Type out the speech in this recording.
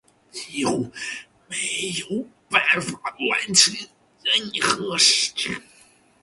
几乎没有办法完成任何事情